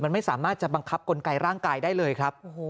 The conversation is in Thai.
มันไม่สามารถจะบังคับกลไกร่างกายได้เลยครับ